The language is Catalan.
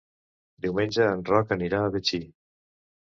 Diumenge en Roc anirà a Betxí.